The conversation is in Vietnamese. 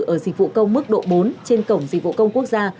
ở dịch vụ công mức độ bốn trên cổng dịch vụ công quốc gia